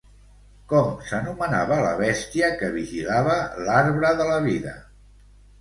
Com s'anomenava la bèstia que vigilava l'arbre de la vida?